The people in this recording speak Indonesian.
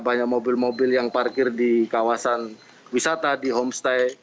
banyak mobil mobil yang parkir di kawasan wisata di homestay